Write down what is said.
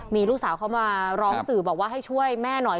มีลูกสาวเขามาร้องสื่อบอกว่าให้ช่วยแม่หน่อย